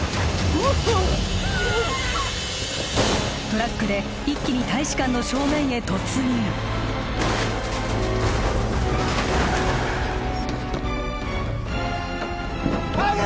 ああっトラックで一気に大使館の正面へ突入早く！